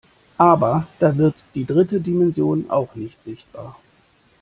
Aber da wird die dritte Dimension auch nicht sichtbar.